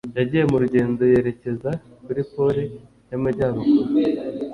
Yagiye mu rugendo yerekeza kuri Pole y'Amajyaruguru